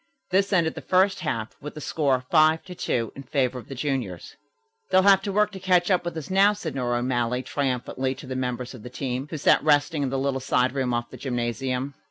This ended the first half, with the score 5 to 2 in favor of the juniors. "They'll have to work to catch up with us now," said Nora O'Malley triumphantly to the members of the team, who sat resting in the little side room off the gymnasium.